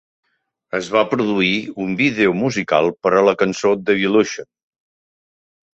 Es va produir un vídeo musical per a la cançó Devilution.